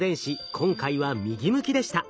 今回は右向きでした。